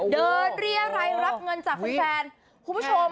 เด้อนเรียกไหลรับเงินจากแฟนคนผู้ชม